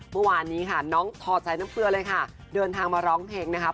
เมื่อวานนี้ค่ะน้องทอใจน้ำเกลือเลยค่ะเดินทางมาร้องเพลงนะคะ